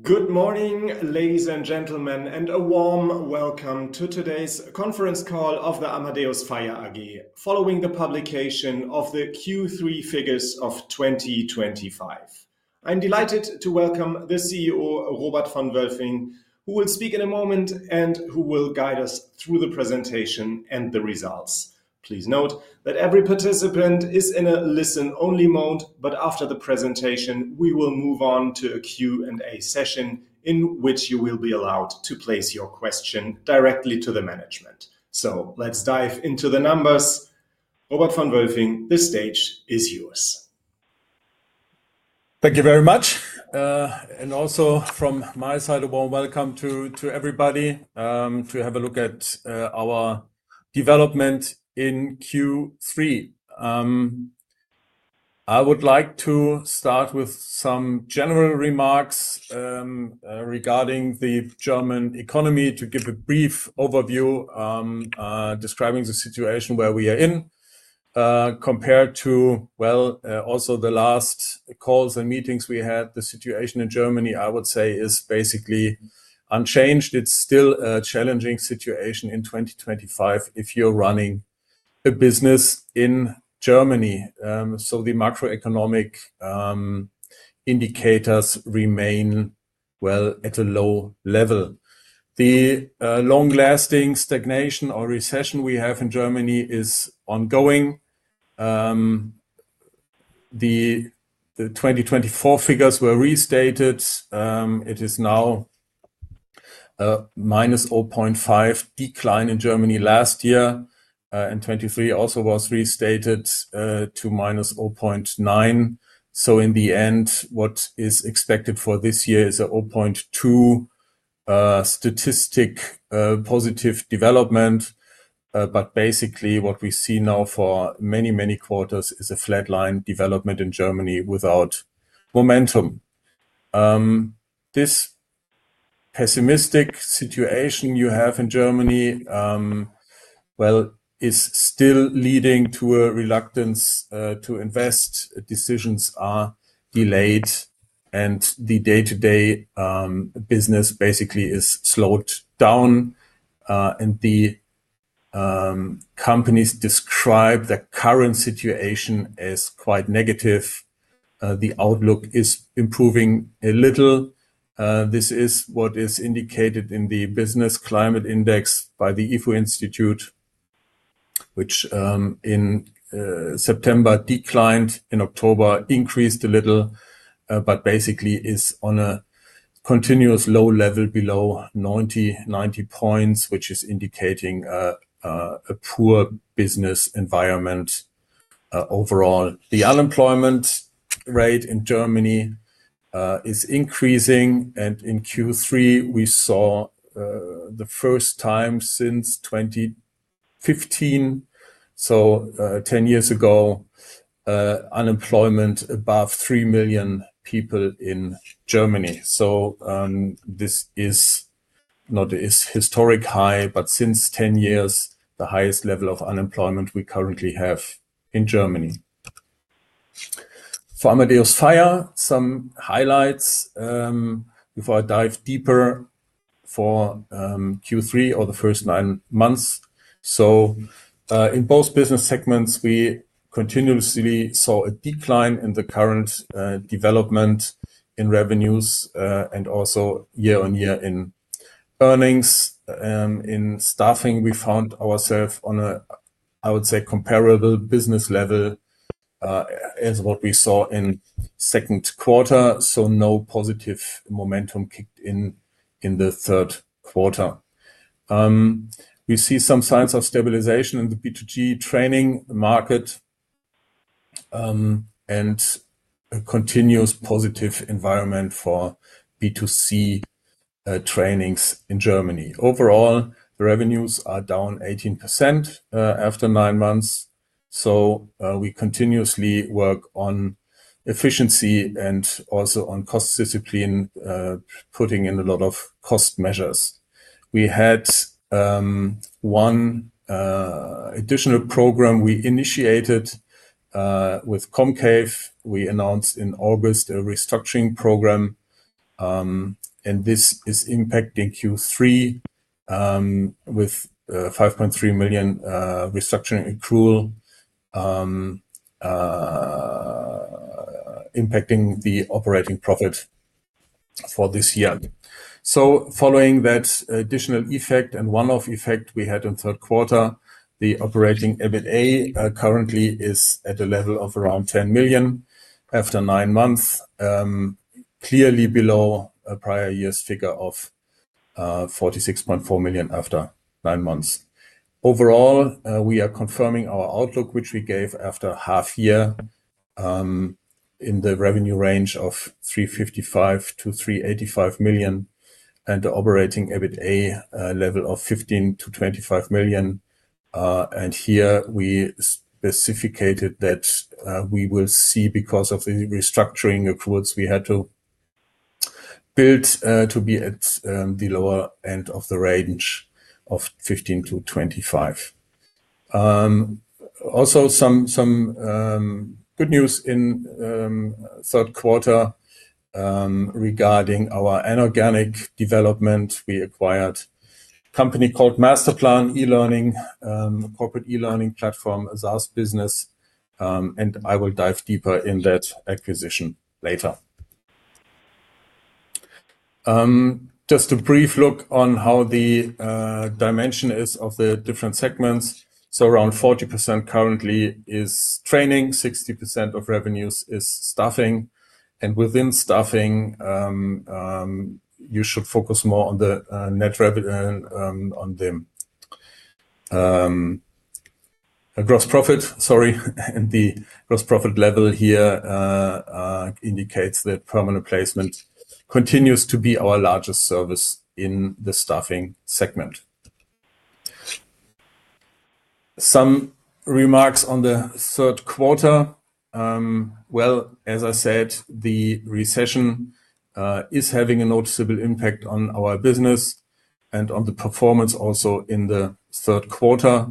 Good morning, ladies and gentlemen, and a warm welcome to today's conference call of Amadeus Fire AG, following the publication of the Q3 figures of 2025. I'm delighted to welcome the CEO, Robert von Wülfing, who will speak in a moment and who will guide us through the presentation and the results. Please note that every participant is in a listen-only mode, but after the presentation, we will move on to a Q&A session in which you will be allowed to place your question directly to the management. Let's dive into the numbers. Robert von Wülfing, the stage is yours. Thank you very much. Also from my side, a warm welcome to everybody to have a look at our development in Q3. I would like to start with some general remarks regarding the German economy, to give a brief overview describing the situation where we are in compared to the last calls and meetings we had. The situation in Germany, I would say, is basically unchanged. It's still a challenging situation in 2025 if you're running a business in Germany. The macroeconomic indicators remain at a low level. The long-lasting stagnation or recession we have in Germany is ongoing. The 2024 figures were restated. It is now a -0.5% decline in Germany last year, and 2023 also was restated to -0.9%. In the end, what is expected for this year is a 0.2% statistic positive development. Basically, what we see now for many quarters is a flatline development in Germany without momentum. This pessimistic situation you have in Germany is still leading to a reluctance to invest. Decisions are delayed, and the day-to-day business basically is slowed down. The companies describe the current situation as quite negative. The outlook is improving a little. This is what is indicated in the Business Climate Index by the ifo Institute, which in September declined, in October increased a little, but basically is on a continuous low level below 90 points, which is indicating a poor business environment overall. The unemployment rate in Germany is increasing, and in Q3, we saw the first time since 2015, so 10 years ago, unemployment above 3 million people in Germany. This is not a historic high, but since 10 years, the highest level of unemployment we currently have in Germany. For Amadeus Fire, some highlights before I dive deeper for Q3 or the first nine months. In both business segments, we continuously saw a decline in the current development in revenues and also year-on-year in earnings. In staffing, we found ourselves on a comparable business level as what we saw in the second quarter. No positive momentum kicked in in the third quarter. We see some signs of stabilization in the B2G training market and a continuous positive environment for B2C trainings in Germany. Overall, the revenues are down 18% after nine months. We continuously work on efficiency and also on cost discipline, putting in a lot of cost measures. We had one additional program we initiated with COMCAVE. We announced in August a restructuring program, and this is impacting Q3 with a EUR 5.3 million restructuring accrual impacting the operating profit for this year. Following that additional effect and one-off effect we had in the third quarter, the operating EBITDA currently is at a level of around 10 million after nine months, clearly below a prior year's figure of 46.4 million after nine months. Overall, we are confirming our outlook, which we gave after half a year in the revenue range of 355 million - 385 million and the operating EBITDA level of 15 million - 25 million. Here we specified that we will see, because of the restructuring accruals we had to build, to be at the lower end of the range of 15 million - 25 million. Also, some good news in the third quarter regarding our anorganic development. We acquired a company called Masterplan e-learning, a corporate e-learning platform, a SaaS business, and I will dive deeper in that acquisition later. Just a brief look on how the dimension is of the different segments. Around 40% currently is Training, 60% of revenues is staffing. Within staffing, you should focus more on the net revenue and on the gross profit. The gross profit level here indicates that permanent placement continues to be our largest service in the staffing segment. Some remarks on the third quarter. The recession is having a noticeable impact on our business and on the performance also in the third quarter.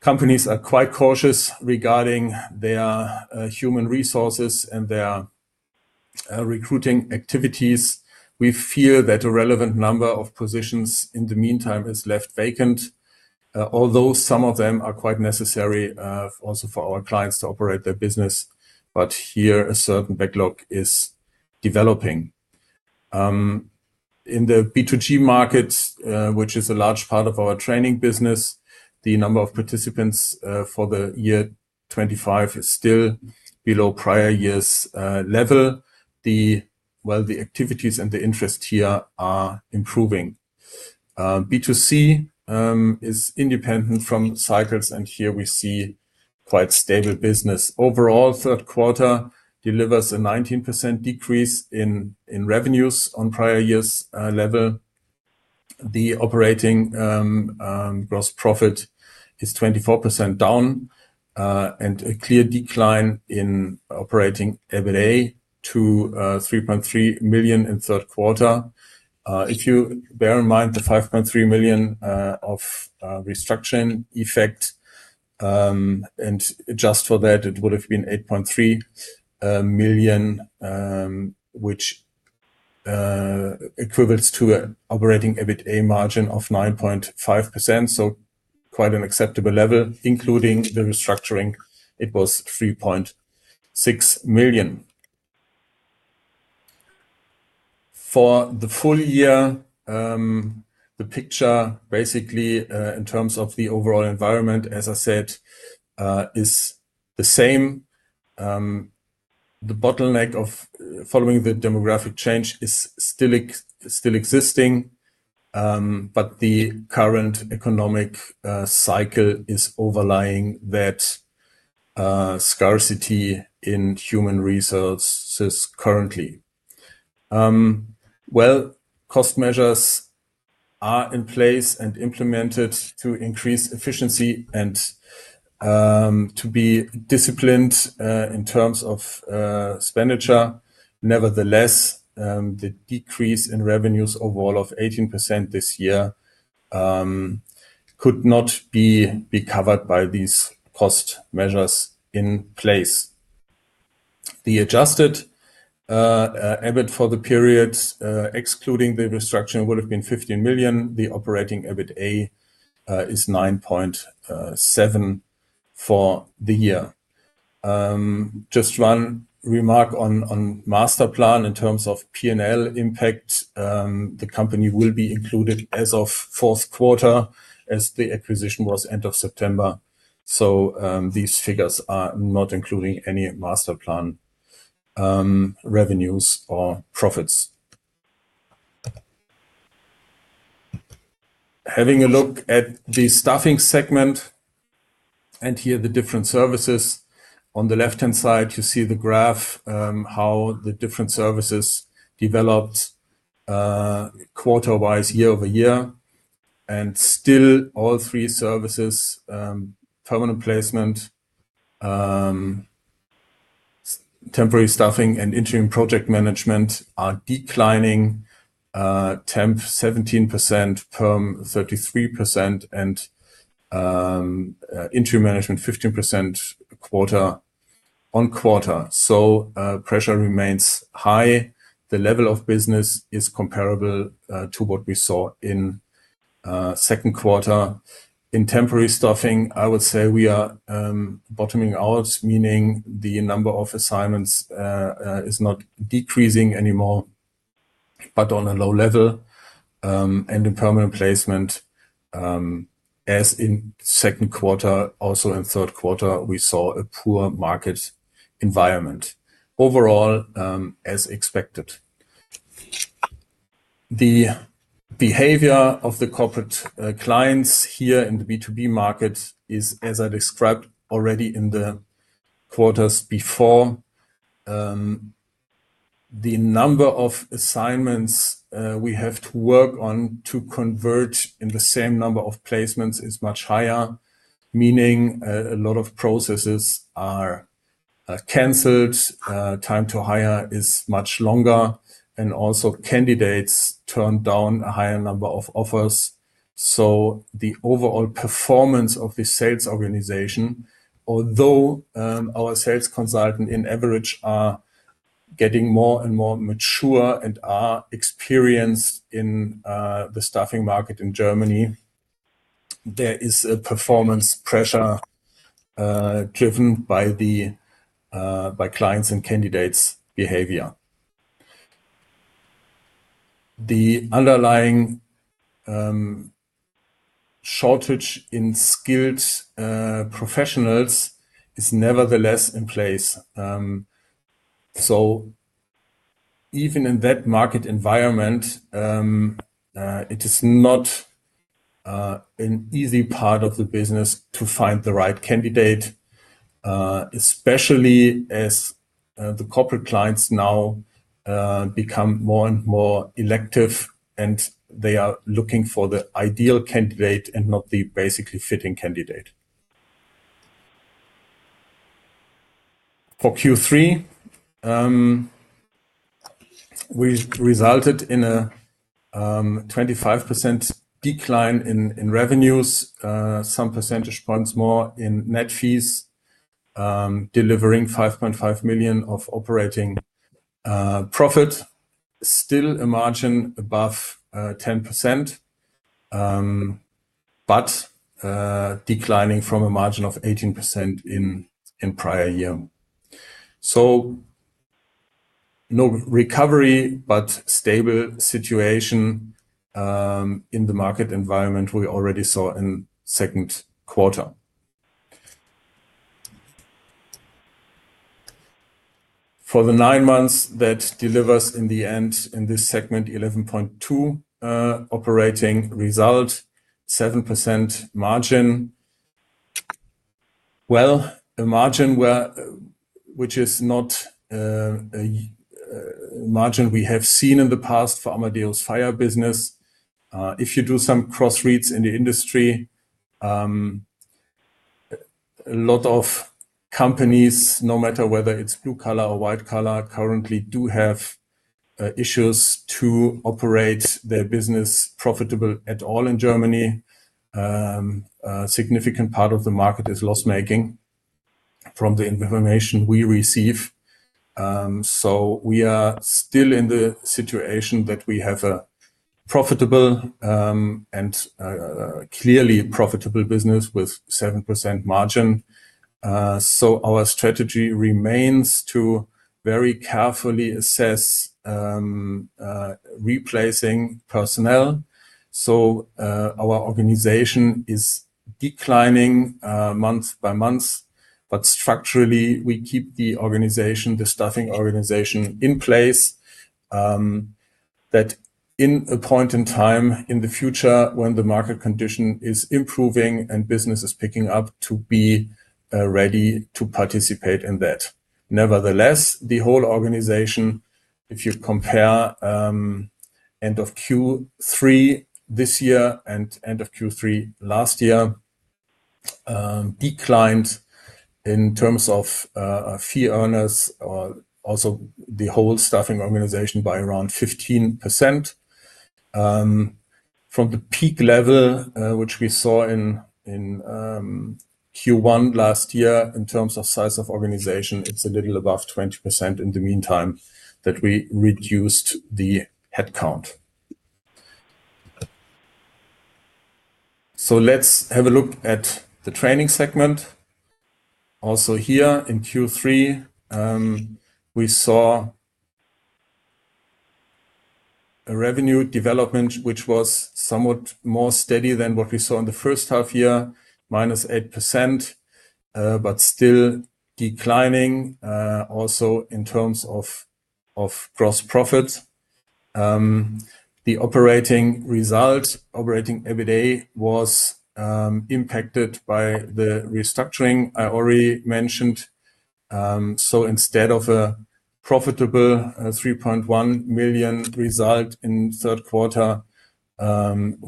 Companies are quite cautious regarding their human resources and their recruiting activities. We feel that a relevant number of positions in the meantime is left vacant, although some of them are quite necessary also for our clients to operate their business. Here, a certain backlog is developing. In the B2G market, which is a large part of our Training business, the number of participants for the year 2025 is still below prior year's level. The activities and the interest here are improving. B2C is independent from cycles, and here we see quite stable business. Overall, the third quarter delivers a 19% decrease in revenues on prior year's level. The operating gross profit is 24% down and a clear decline in operating EBITDA to 3.3 million in the third quarter. If you bear in mind the 5.3 million of restructuring effect, just for that, it would have been 8.3 million, which equates to an operating EBITDA margin of 9.5%. Quite an acceptable level, including the restructuring, it was 3.6 million. For the full year, the picture basically in terms of the overall environment, as I said, is the same. The bottleneck of following the demographic change is still existing, but the current economic cycle is overlying that scarcity in human resources currently. Cost measures are in place and implemented to increase efficiency and to be disciplined in terms of spenditure. Nevertheless, the decrease in revenues overall of 18% this year could not be covered by these cost measures in place. The Adjusted EBIT for the period excluding the restructuring would have been 15 million. The operating EBITDA is 9.7 million for the year. Just one remark on Masterplan in terms of P&L impact. The company will be included as of the fourth quarter as the acquisition was end of September. These figures are not including any Masterplan revenues or profits. Having a look at the staffing segment and here the different services, on the left-hand side, you see the graph how the different services developed quarter-wise, year-over-year. Still, all three services, permanent placement, temporary staffing, and interim management are declining: temp 17%, perm 33%, and interim management 15% quarter on quarter. Pressure remains high. The level of business is comparable to what we saw in the second quarter. In temporary staffing, I would say we are bottoming out, meaning the number of assignments is not decreasing anymore, but on a low level. In permanent placement, as in the second quarter, also in the third quarter, we saw a poor market environment. Overall, as expected. The behavior of the corporate clients here in the B2B market is, as I described already in the quarters before, the number of assignments we have to work on to convert in the same number of placements is much higher, meaning a lot of processes are canceled, time to hire is much longer, and also candidates turn down a higher number of offers. The overall performance of the sales organization, although our sales consultants in average are getting more and more mature and are experienced in the staffing market in Germany, there is a performance pressure driven by clients' and candidates' behavior. The underlying shortage in skilled professionals is nevertheless in place. Even in that market environment, it is not an easy part of the business to find the right candidate, especially as the corporate clients now become more and more elective and they are looking for the ideal candidate and not the basically fitting candidate. For Q3, we resulted in a 25% decline in revenues, some percentage points more in net fees, delivering 5.5 million of operating profit, still a margin above 10%, but declining from a margin of 18% in the prior year. No recovery, but a stable situation in the market environment we already saw in the second quarter. For the nine months that delivers in the end, in this segment, 11.2 million operating result, 7% margin. A margin which is not a margin we have seen in the past for Amadeus Fire business. If you do some cross-reads in the industry, a lot of companies, no matter whether it's blue collar or white collar, currently do have issues to operate their business profitably at all in Germany. A significant part of the market is loss-making from the information we receive. We are still in the situation that we have a profitable and clearly profitable business with a 7% margin. Our strategy remains to very carefully assess replacing personnel. Our organization is declining month by month, but structurally, we keep the organization, the staffing organization, in place that at a point in time in the future when the market condition is improving and business is picking up to be ready to participate in that. Nevertheless, the whole organization, if you compare end of Q3 this year and end of Q3 last year, declined in terms of fee earners or also the whole staffing organization by around 15%. From the peak level, which we saw in Q1 last year, in terms of size of organization, it's a little above 20% in the meantime that we reduced the headcount. Let's have a look at the Training segment. Also here in Q3, we saw a revenue development which was somewhat more steady than what we saw in the first half year, -8%, but still declining also in terms of gross profit. The operating result, operating EBITDA, was impacted by the restructuring I already mentioned. Instead of a profitable 3.1 million result in the third quarter,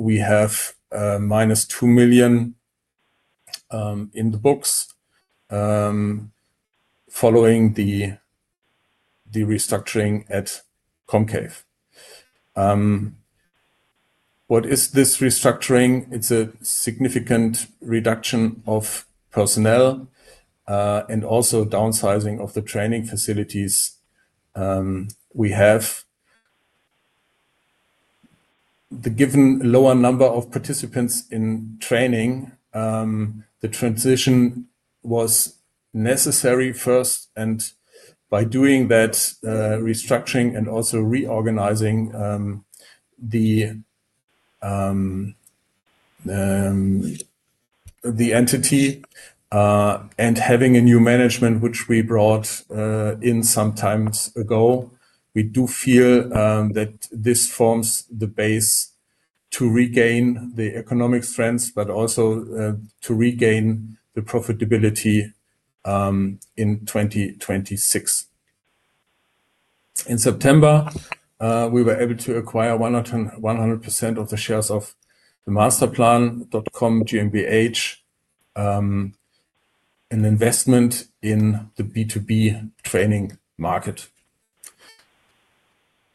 we have -2 million in the books following the restructuring at COMCAVE. What is this restructuring? It's a significant reduction of personnel and also downsizing of the training facilities we have. Given the lower number of participants in training, the transition was necessary first, and by doing that restructuring and also reorganizing the entity and having a new management, which we brought in some time ago, we do feel that this forms the base to regain the economic strengths, but also to regain the profitability in 2026. In September, we were able to acquire 100% of the shares of Masterplan com GmbH, an investment in the B2B training market.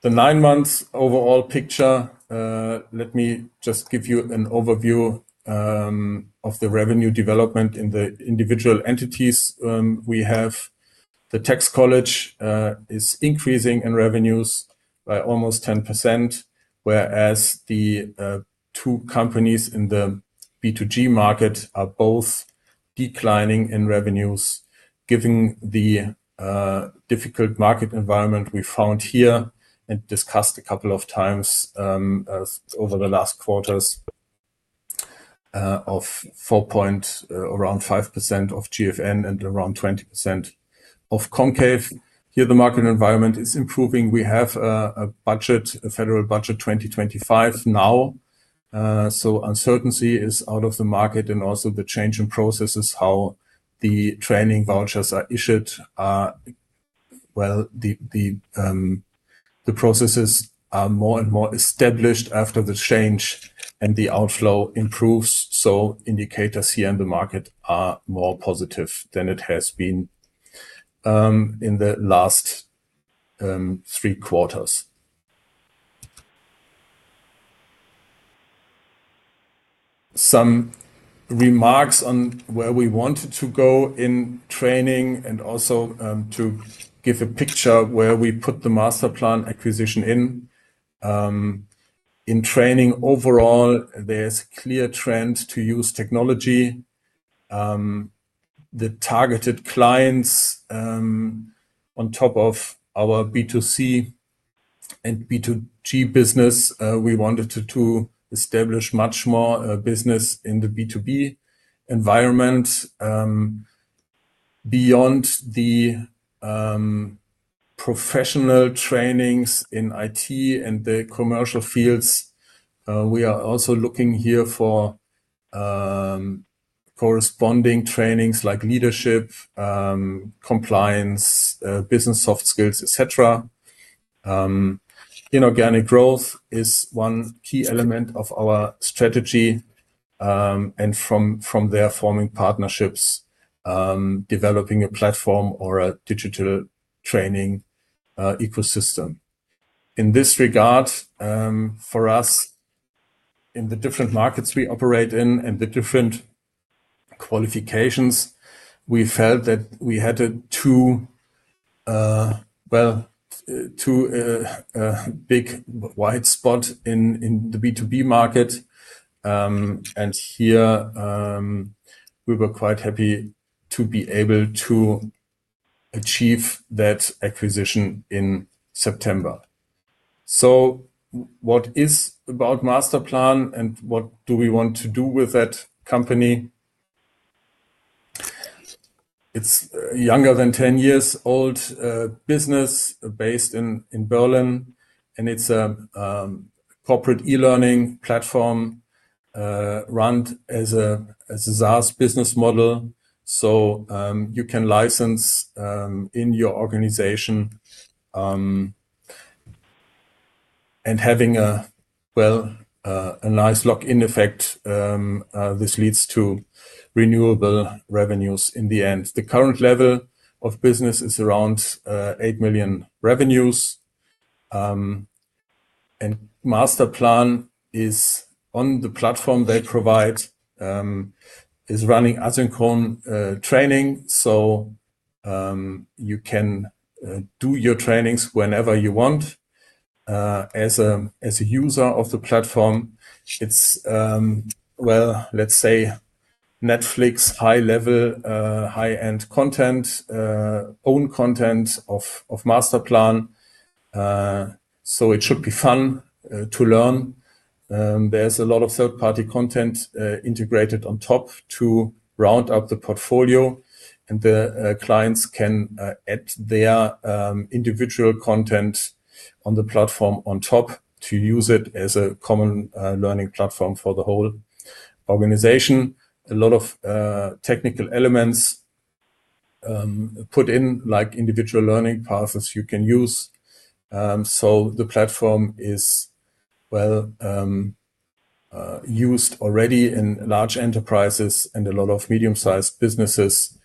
The nine months overall picture, let me just give you an overview of the revenue development in the individual entities we have. The tax college is increasing in revenues by almost 10%, whereas the two companies in the B2G market are both declining in revenues, given the difficult market environment we found here and discussed a couple of times over the last quarters of four points, around 5% of GFN and around 20% of COMCAVE. Here, the market environment is improving. We have a budget, a federal budget 2025 now. Uncertainty is out of the market and also the change in processes, how the training vouchers are issued. The processes are more and more established after the change and the outflow improves. Indicators here in the market are more positive than it has been in the last three quarters. Some remarks on where we wanted to go in training and also to give a picture where we put the Masterplan acquisition in. In training overall, there's a clear trend to use technology. The targeted clients on top of our B2C and B2G business, we wanted to establish much more business in the B2B environment. Beyond the professional trainings in IT and the commercial fields, we are also looking here for corresponding trainings like leadership, compliance, business soft skills, etc. Inorganic growth is one key element of our strategy, and from there, forming partnerships, developing a platform or a digital training ecosystem. In this regard, for us, in the different markets we operate in and the different qualifications, we felt that we had a too, well, too big white spot in the B2B market. Here, we were quite happy to be able to achieve that acquisition in September. What is about Masterplan and what do we want to do with that company? It's a younger than 10 years old business based in Berlin, and it's a corporate e-learning platform run as a SaaS business model. You can license in your organization and having a, well, a nice lock-in effect. This leads to renewable revenues in the end. The current level of business is around 8 million revenues. Masterplan is on the platform they provide, running asynchronous training. You can do your trainings whenever you want. As a user of the platform, it's, let's say, Netflix high-level, high-end content, own content of Masterplan. It should be fun to learn. There's a lot of third-party content integrated on top to round up the portfolio, and the clients can add their individual content on the platform on top to use it as a common learning platform for the whole organization. A lot of technical elements are put in, like individual learning paths you can use. The platform is used already in large enterprises and a lot of medium-sized businesses.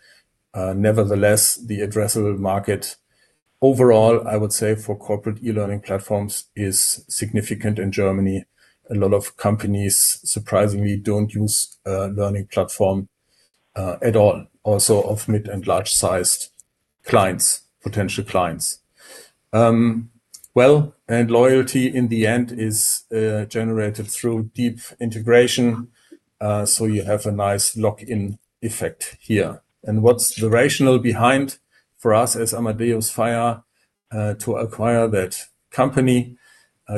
Nevertheless, the addressable market overall, I would say, for corporate e-learning platforms is significant in Germany. A lot of companies, surprisingly, don't use a learning platform at all, also mid and large-sized clients, potential clients. Loyalty in the end is generated through deep integration. You have a nice lock-in effect here. What's the rationale behind for us as Amadeus Fire to acquire that company?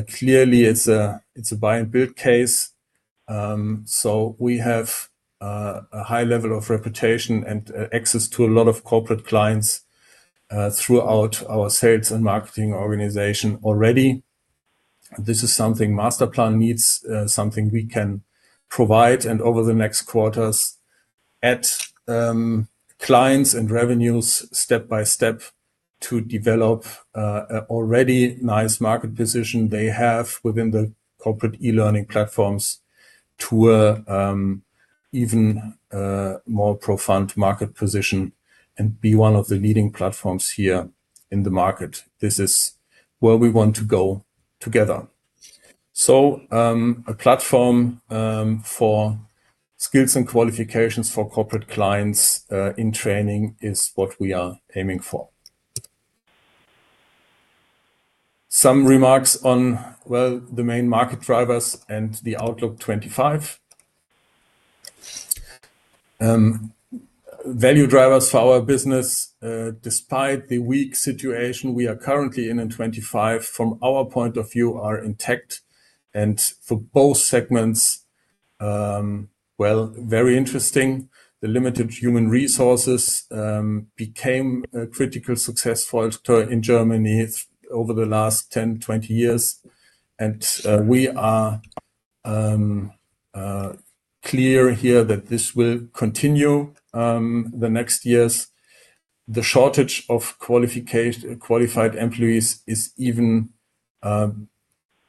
Clearly, it's a buy-and-build case. We have a high level of reputation and access to a lot of corporate clients throughout our sales and marketing organization already. This is something Masterplan needs, something we can provide. Over the next quarters, add clients and revenues step by step to develop an already nice market position they have within the corporate e-learning platforms to an even more profound market position and be one of the leading platforms here in the market. This is where we want to go together. A platform for skills and qualifications for corporate clients in training is what we are aiming for. Some remarks on the main market drivers and the outlook 2025. Value drivers for our business, despite the weak situation we are currently in in 2025, from our point of view, are intact. For both segments, very interesting. The limited human resources became a critical success factor in Germany over the last 10, 20 years. We are clear here that this will continue the next years. The shortage of qualified employees is even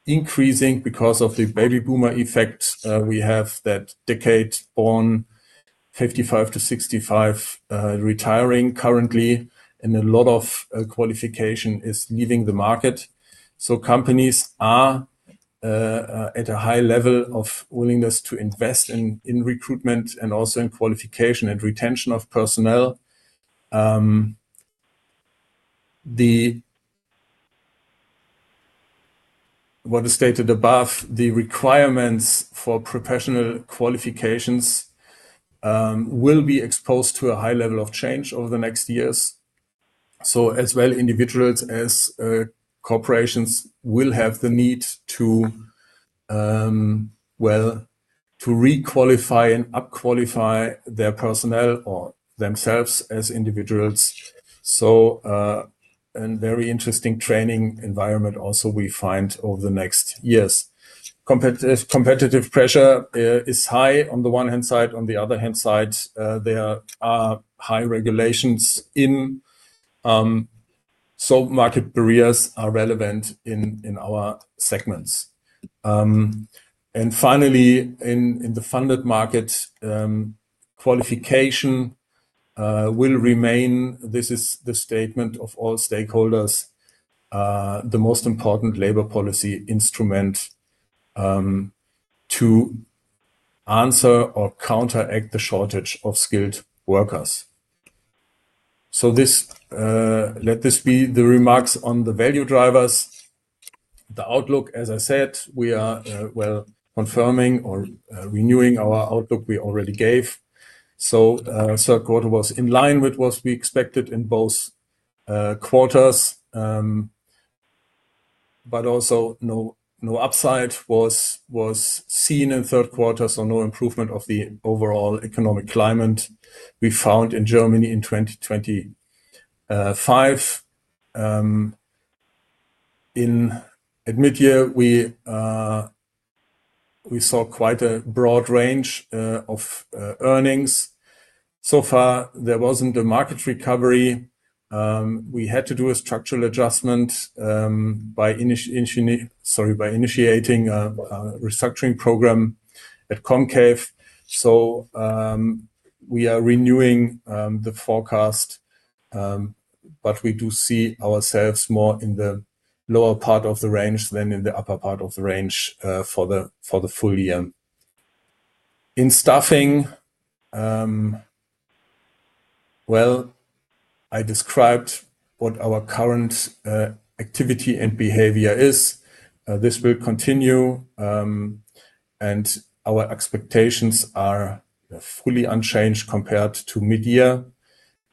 increasing because of the baby boomer effect. We have that decade-born 1955 to 1965 retiring currently, and a lot of qualification is leaving the market. Companies are at a high level of willingness to invest in recruitment and also in qualification and retention of personnel. As stated above, the requirements for professional qualifications will be exposed to a high level of change over the next years. Individuals as well as corporations will have the need to requalify and upqualify their personnel or themselves as individuals. A very interesting training environment is also found over the next years. Competitive pressure is high on the one hand. On the other hand, there are high regulations in place. Market barriers are relevant in our segments. Finally, in the funded market, qualification will remain, this is the statement of all stakeholders, the most important labor policy instrument to answer or counteract the shortage of skilled workers. Let this be the remarks on the value drivers. The outlook, as I said, we are confirming or renewing our outlook we already gave. The third quarter was in line with what we expected in both quarters, but also no upside was seen in the third quarter. No improvement of the overall economic climate was found in Germany in 2025. At mid-year, we saw quite a broad range of earnings. So far, there wasn't a market recovery. We had to do a structural adjustment by initiating a restructuring program at COMCAVE. We are renewing the forecast, but we do see ourselves more in the lower part of the range than in the upper part of the range for the full year. In staffing, I described what our current activity and behavior is. This will continue, and our expectations are fully unchanged compared to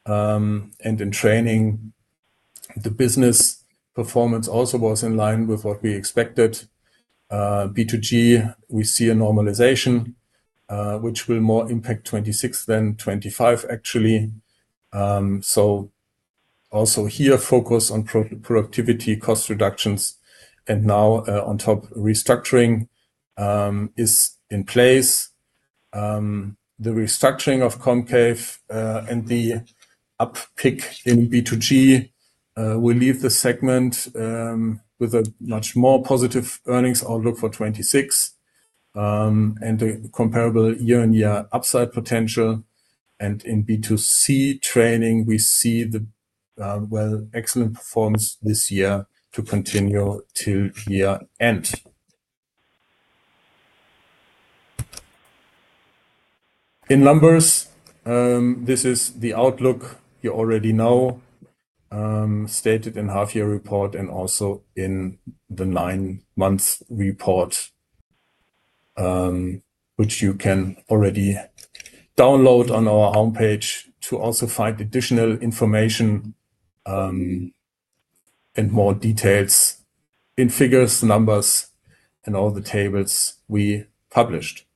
mid-year. In training, the business performance also was in line with what we expected. B2G, we see a normalization, which will more impact 2026 than 2025, actually. Here, focus on productivity, cost reductions, and now on top, restructuring is in place. The restructuring of COMCAVE and the uptick in B2G will leave the segment with a much more positive earnings outlook for 2026 and a comparable year-on-year upside potential. In B2C training, we see the excellent performance this year to continue till year end. In numbers, this is the outlook you already know stated in the half-year report and also in the nine-month report, which you can already download on our homepage to also find additional information and more details in figures, numbers, and all the tables we published.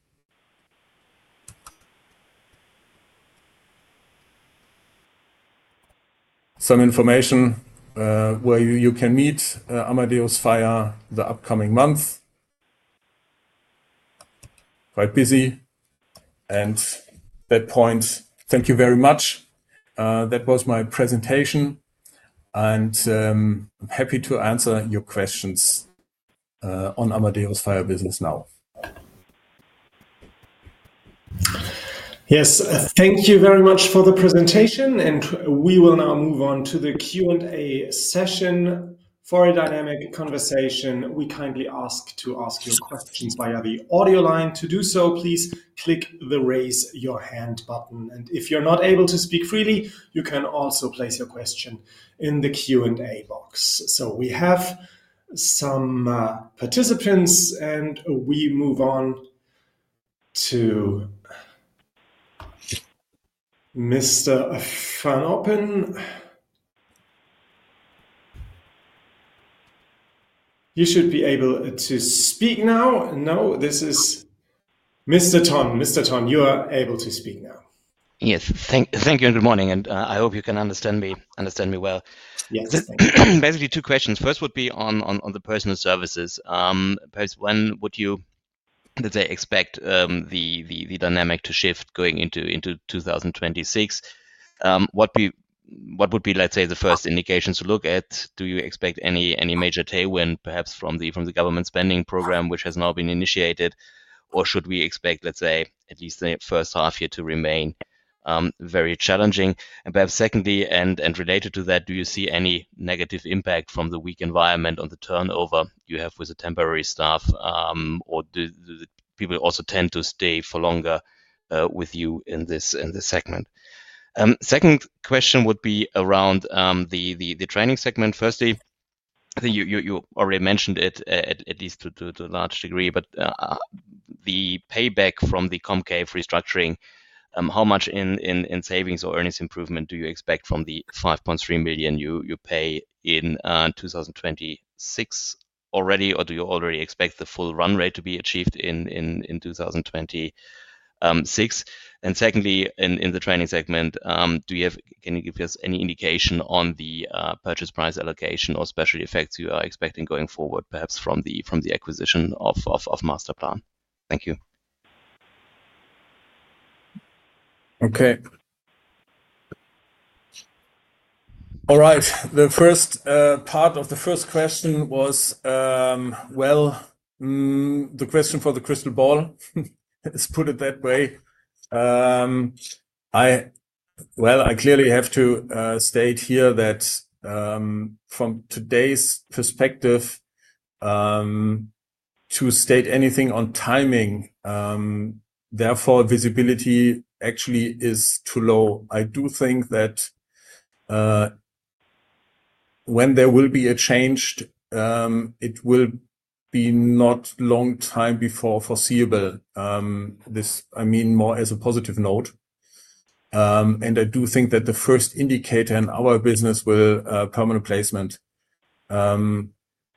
Some information where you can meet Amadeus Fire the upcoming month. Quite busy. At that point, thank you very much. That was my presentation, and I'm happy to answer your questions on Amadeus FiRe business now. Yes, thank you very much for the presentation. We will now move on to the Q&A session. For a dynamic conversation, we kindly ask to ask your questions via the audio line. To do so, please click the Raise Your Hand button. If you're not able to speak freely, you can also place your question in the Q&A box. We have some participants, and we move on to Mr. Fanopen. You should be able to speak now. No, this is Mr. Ton. Mr. Ton, you are able to speak now. Yes, thank you. Good morning. I hope you can understand me well. Yeah. Basically, two questions. First would be on the Personnel Services. When would you, let's say, expect the dynamic to shift going into 2026? What would be, let's say, the first indications to look at? Do you expect any major tailwind perhaps from the government spending program, which has now been initiated? Should we expect, let's say, at least the first half year to remain very challenging? Perhaps secondly, and related to that, do you see any negative impact from the weak environment on the turnover you have with the temporary staff? Do the people also tend to stay for longer with you in this segment? Second question would be around the Training segment. Firstly, I think you already mentioned it at least to a large degree, but the payback from the COMCAVE restructuring, how much in savings or earnings improvement do you expect from the 5.3 million you pay in 2026 already? Do you already expect the full run rate to be achieved in 2026? Secondly, in the Training segment, do you have, can you give us any indication on the purchase price allocation or special effects you are expecting going forward, perhaps from the acquisition of Masterplan? Thank you. Okay. All right. The first part of the first question was, the question for the crystal ball, let's put it that way. I clearly have to state here that from today's perspective, to state anything on timing, therefore, visibility actually is too low. I do think that when there will be a change, it will be not a long time before foreseeable. This, I mean, more as a positive note. I do think that the first indicator in our business will be permanent placement.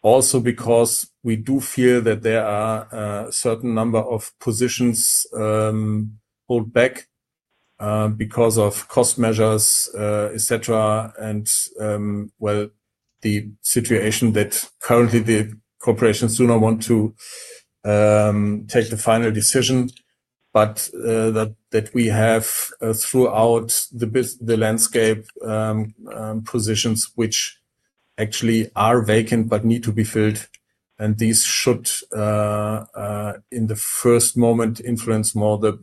Also, because we do feel that there are a certain number of positions pulled back because of cost measures, etc., and the situation that currently the corporations do not want to take the final decision, but that we have throughout the landscape positions which actually are vacant but need to be filled. These should, in the first moment, influence more the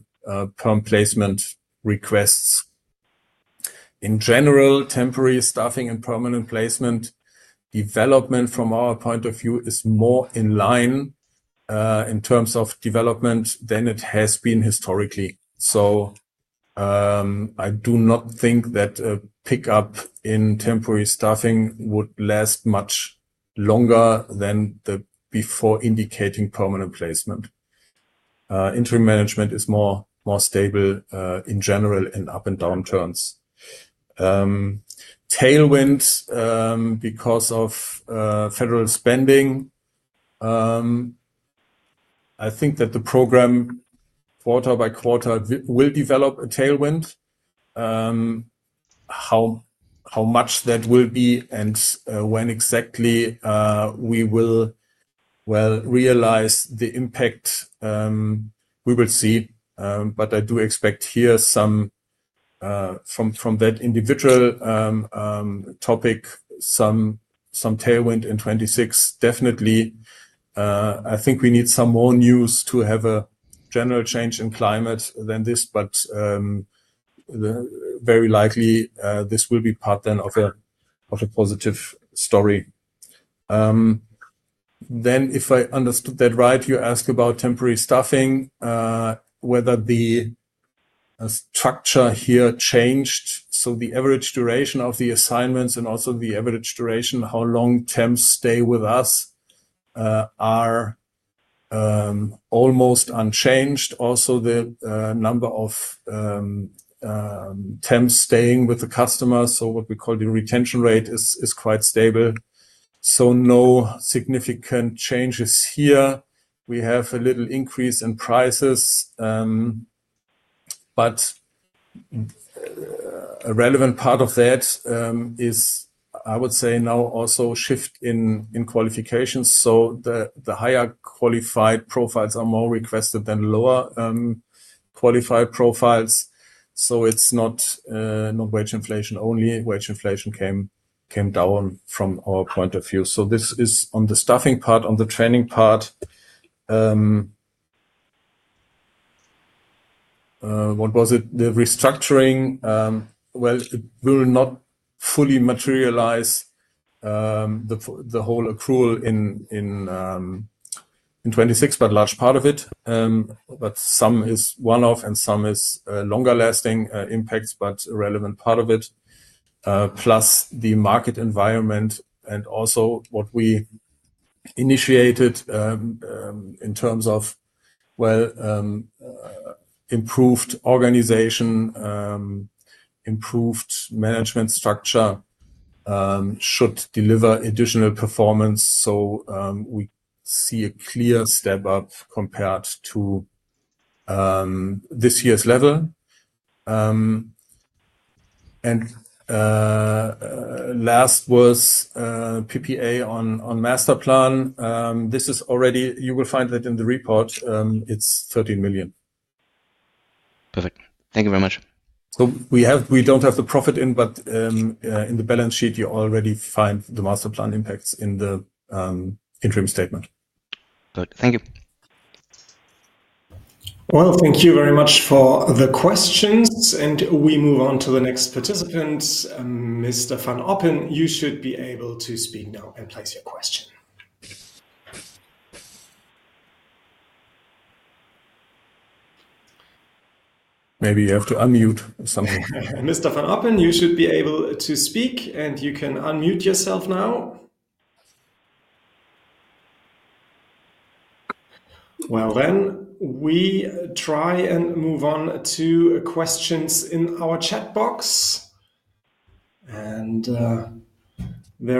perm placement requests. In general, temporary staffing and permanent placement development from our point of view is more in line in terms of development than it has been historically. I do not think that a pickup in temporary staffing would last much longer than before indicating permanent placement. Interim management is more stable in general in up and down turns. Tailwind because of federal spending. I think that the program quarter by quarter will develop a tailwind. How much that will be and when exactly we will realize the impact we will see. I do expect here some from that individual topic, some tailwind in 2026, definitely. I think we need some more news to have a general change in climate than this, but very likely, this will be part then of a positive story. If I understood that right, you ask about temporary staffing, whether the structure here changed. The average duration of the assignments and also the average duration, how long temps stay with us, are almost unchanged. Also, the number of temps staying with the customer. What we call the retention rate is quite stable. No significant changes here. We have a little increase in prices. A relevant part of that is, I would say, now also a shift in qualifications. The higher qualified profiles are more requested than the lower qualified profiles. It's not wage inflation only. Wage inflation came down from our point of view. This is on the staffing part, on the training part. What was it? The restructuring. It will not fully materialize the whole accrual in 2026, but a large part of it. Some is one-off and some is longer-lasting impacts, but a relevant part of it. Plus, the market environment and also what we initiated in terms of improved organization, improved management structure should deliver additional performance. We see a clear step up compared to this year's level. Last was PPA on Masterplan. This is already, you will find that in the report, it's 13 million. Perfect. Thank you very much. We don't have the profit in, but in the balance sheet, you already find the Masterplan impacts in the interim statement. Good, thank you. Thank you very much for the questions. We move on to the next participant. Mr. Fanopen, you should be able to speak now and place your question. Maybe you have to unmute something. Mr. Fanopen, you should be able to speak, and you can unmute yourself now. We try and move on to questions in our chat box. There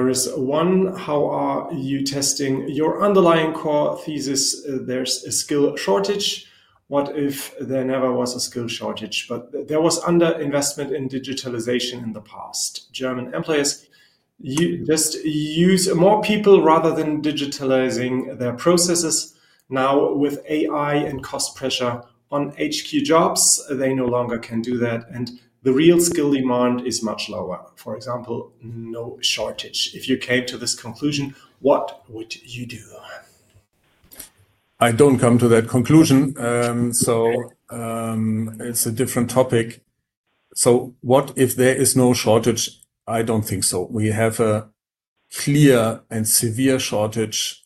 is one. How are you testing your underlying core thesis? There's a skill shortage. What if there never was a skill shortage, but there was underinvestment in digitalization in the past? German employers just use more people rather than digitalizing their processes. Now, with AI and cost pressure on HQ jobs, they no longer can do that. The real skill demand is much lower. For example, no shortage. If you came to this conclusion, what would you do? I don't come to that conclusion. It's a different topic. What if there is no shortage? I don't think so. We have a clear and severe shortage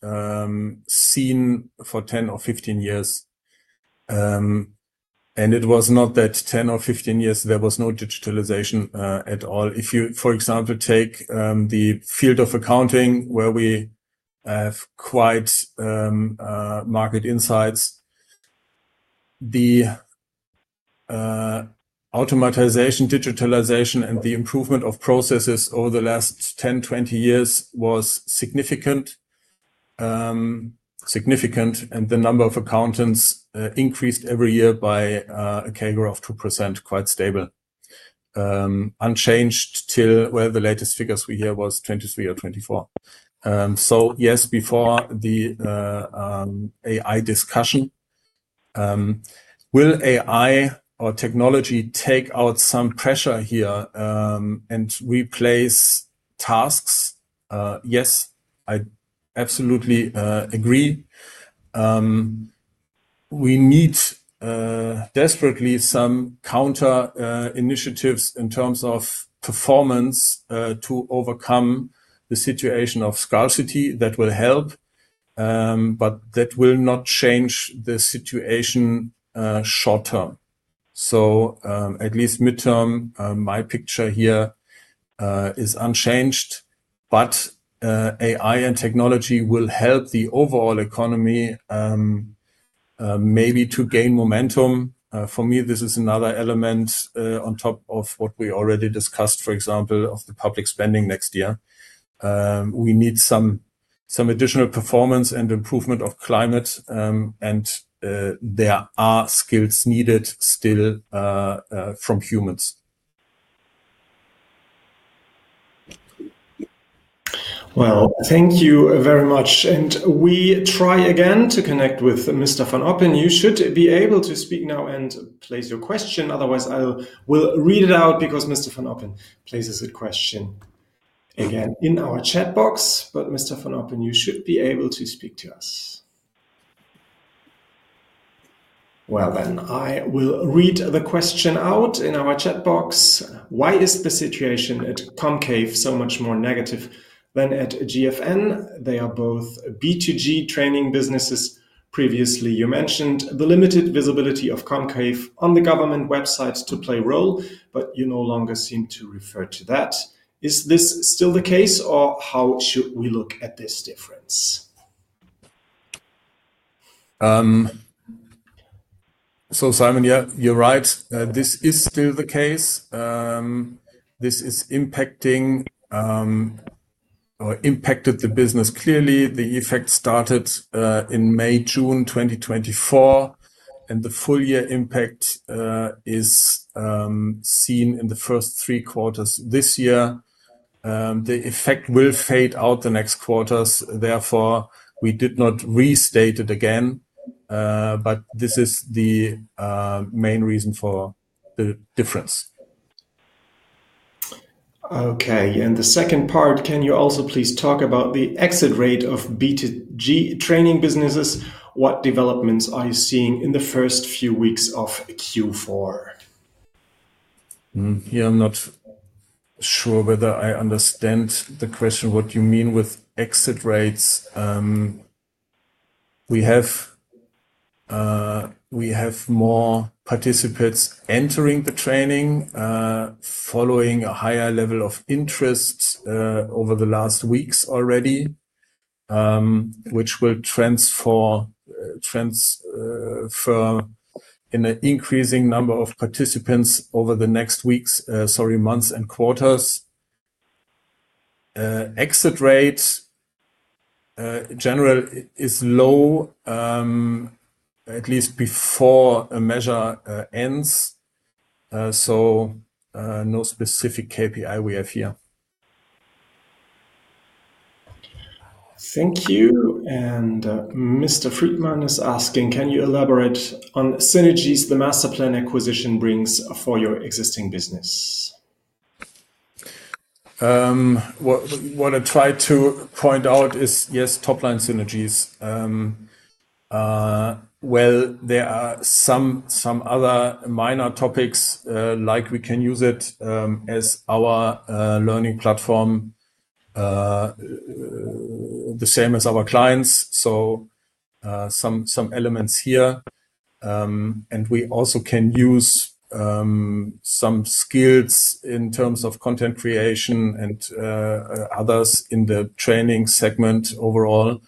seen for 10 or 15 years. It was not that in 10 or 15 years there was no digitalization at all. If you, for example, take the field of accounting where we have quite market insights, the automatization, digitalization, and the improvement of processes over the last 10, 20 years was significant. The number of accountants increased every year by a category of 2%, quite stable, unchanged till where the latest figures we hear was 2023 or 2024. Yes, before the AI discussion, will AI or technology take out some pressure here and replace tasks? Yes, I absolutely agree. We need desperately some counter-initiatives in terms of performance to overcome the situation of scarcity. That will help, but that will not change the situation short term. At least midterm, my picture here is unchanged. AI and technology will help the overall economy maybe to gain momentum. For me, this is another element on top of what we already discussed, for example, of the public spending next year. We need some additional performance and improvement of climate. There are skills needed still from humans. Thank you very much. We try again to connect with Mr. Fanopen. You should be able to speak now and place your question. Otherwise, I will read it out because Mr. Fanopen places a question again in our chat box. Mr. Fanopen, you should be able to speak to us. I will read the question out in our chat box. Why is the situation at COMCAVE so much more negative than at GFN? They are both B2G training businesses. Previously, you mentioned the limited visibility of COMCAVE on the government website to play a role, but you no longer seem to refer to that. Is this still the case, or how should we look at this difference? You're right. This is still the case. This is impacting or impacted the business clearly. The effect started in May, June 2024, and the full-year impact is seen in the first three quarters this year. The effect will fade out the next quarters. Therefore, we did not restate it again, but this is the main reason for the difference. Okay. The second part, can you also please talk about the exit rate of B2G Training businesses? What developments are you seeing in the first few weeks of Q4? I'm not sure whether I understand the question. What do you mean with exit rates? We have more participants entering the training following a higher level of interest over the last weeks already, which will transfer in an increasing number of participants over the next weeks, months, and quarters. Exit rate in general is low, at least before a measure ends. No specific KPI we have here. Thank you. Mr. Friedman is asking, can you elaborate on synergies the Masterplan acquisition brings for your existing business? What I try to point out is, yes, top-line synergies. There are some other minor topics, like we can use it as our learning platform, the same as our clients. Some elements here. We also can use some skills in terms of content creation and others in the training segment overall.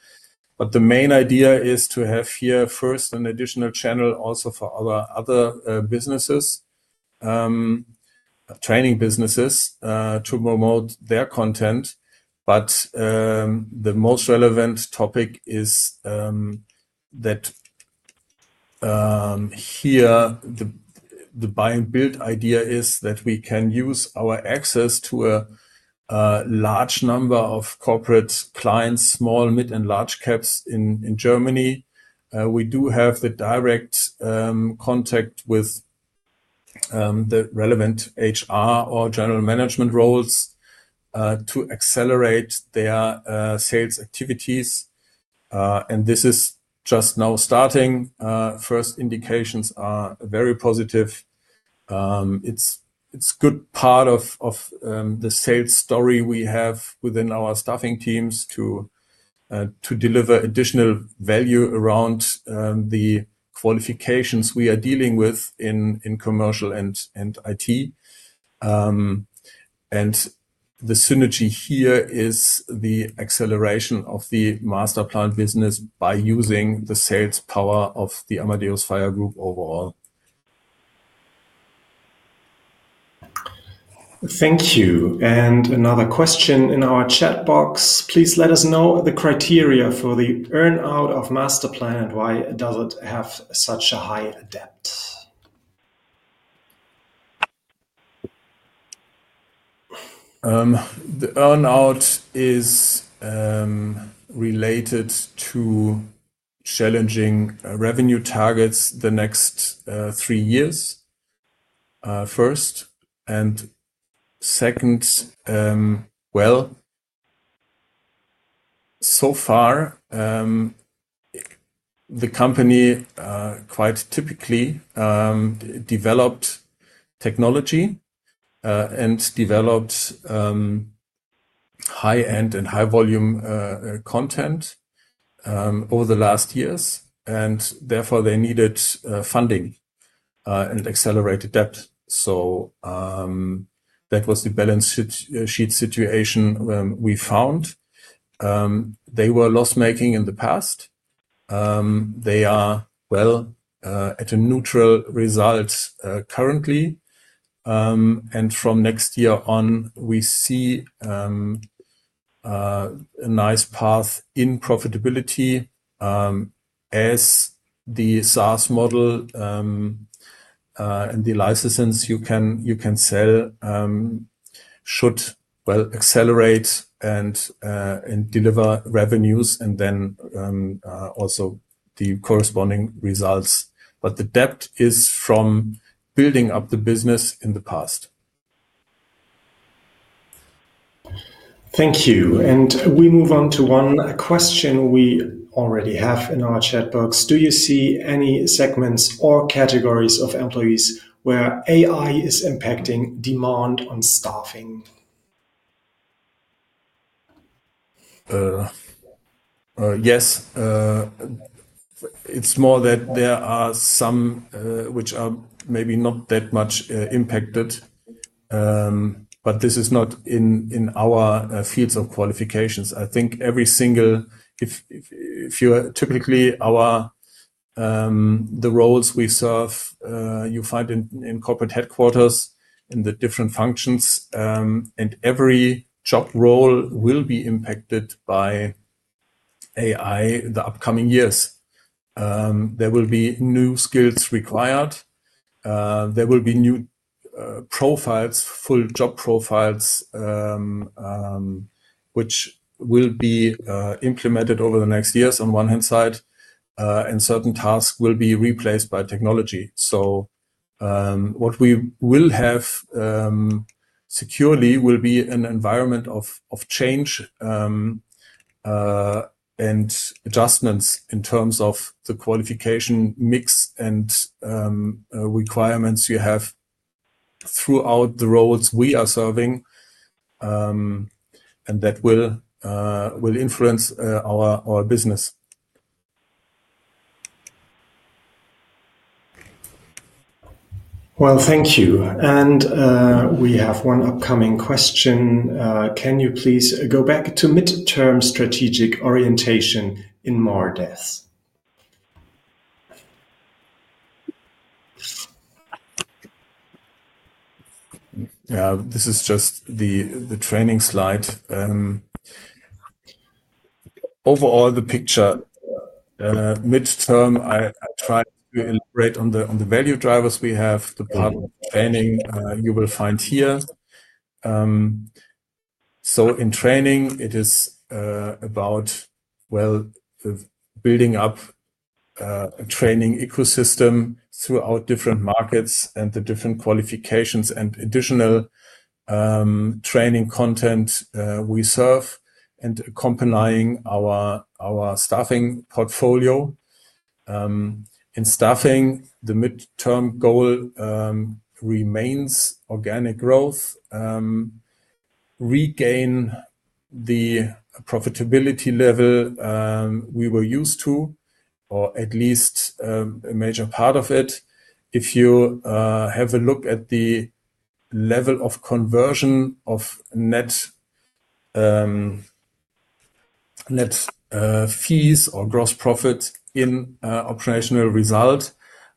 The main idea is to have here first an additional channel also for other businesses, training businesses to promote their content. The most relevant topic is that here the buy-and-build idea is that we can use our access to a large number of corporate clients, small, mid, and large caps in Germany. We do have the direct contact with the relevant HR or general management roles to accelerate their sales activities. This is just now starting. First indications are very positive. It's a good part of the sales story we have within our staffing teams to deliver additional value around the qualifications we are dealing with in commercial and IT. The synergy here is the acceleration of the Masterplan business by using the sales power of the Amadeus Fire Group overall. Thank you. Another question in our chat box. Please let us know the criteria for the earnout of Masterplan.com and why does it have such a high depth? The earnout is related to challenging revenue targets the next three years, first. Second, so far, the company quite typically developed technology and developed high-end and high-volume content over the last years. Therefore, they needed funding and accelerated debt. That was the balance sheet situation we found. They were loss-making in the past. They are at a neutral result currently. From next year on, we see a nice path in profitability as the SaaS model and the licenses you can sell should accelerate and deliver revenues and then also the corresponding results. The debt is from building up the business in the past. Thank you. We move on to one question we already have in our chat box. Do you see any segments or categories of employees where AI is impacting demand on staffing? Yes. It's more that there are some which are maybe not that much impacted, but this is not in our fields of qualifications. I think every single, if you are typically the roles we serve, you find in corporate headquarters in the different functions, and every job role will be impacted by AI in the upcoming years. There will be new skills required. There will be new profiles, full job profiles, which will be implemented over the next years on one-hand side, and certain tasks will be replaced by technology. What we will have securely will be an environment of change and adjustments in terms of the qualification mix and requirements you have throughout the roles we are serving. That will influence our business. Thank you. We have one upcoming question. Can you please go back to midterm strategic orientation in more depth? This is just the training slide. Overall, the picture midterm, I try to elaborate on the value drivers we have. The part of training you will find here. In training, it is about building up a training ecosystem throughout different markets and the different qualifications and additional training content we serve and accompanying our staffing portfolio. In staffing, the midterm goal remains organic growth, regain the profitability level we were used to, or at least a major part of it. If you have a look at the level of conversion of net fees or gross profits in operational result,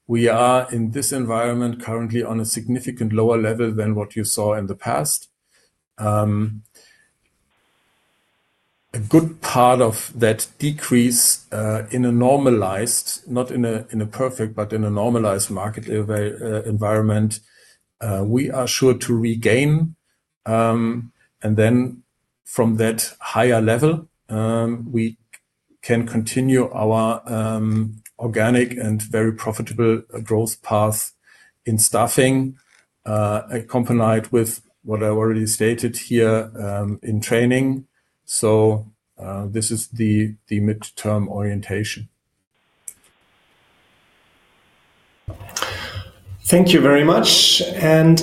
we are in this environment currently on a significantly lower level than what you saw in the past. A good part of that decrease in a normalized, not in a perfect, but in a normalized market environment, we are sure to regain. From that higher level, we can continue our organic and very profitable growth path in staffing accompanied with what I already stated here in training. This is the midterm orientation. Thank you very much. In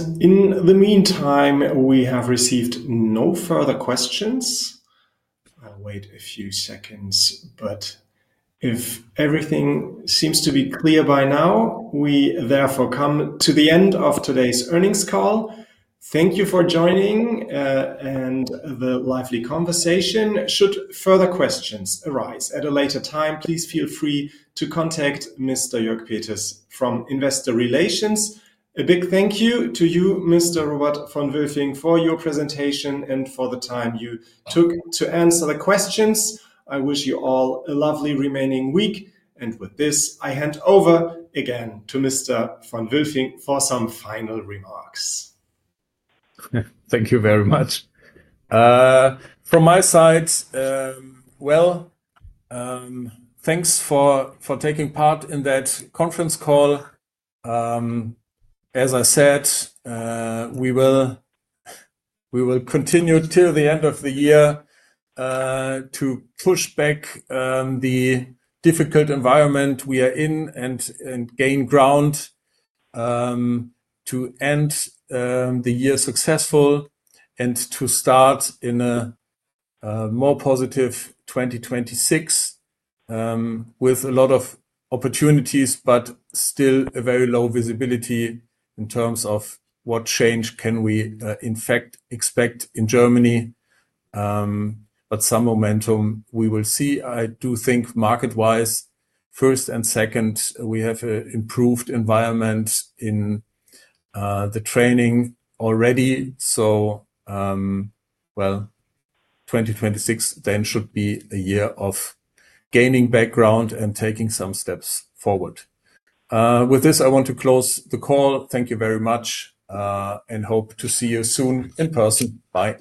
the meantime, we have received no further questions. I'll wait a few seconds, but if everything seems to be clear by now, we therefore come to the end of today's earnings call. Thank you for joining and the lively conversation. Should further questions arise at a later time, please feel free to contact Mr. Jörg Peters from Investor Relations. A big thank you to you, Mr. Robert von Wülfing, for your presentation and for the time you took to answer the questions. I wish you all a lovely remaining week. With this, I hand over again to Mr. von Wülfing for some final remarks. Thank you very much. From my side, thank you for taking part in that conference call. As I said, we will continue till the end of the year to push back the difficult environment we are in and gain ground to end the year successful and to start in a more positive 2026 with a lot of opportunities, but still a very low visibility in terms of what change can we, in fact, expect in Germany. Some momentum we will see. I do think market-wise, first and second, we have an improved environment in the training already. 2026 then should be a year of gaining background and taking some steps forward. With this, I want to close the call. Thank you very much and hope to see you soon in person. Bye.